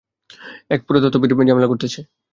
এক পুরাতত্ত্ববিদ, ঝামেলা করতেছে।